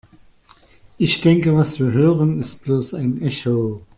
Ich denke, was wir hören, ist bloß ein Echo.